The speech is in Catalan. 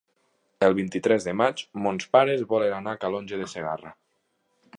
El vint-i-tres de maig mons pares volen anar a Calonge de Segarra.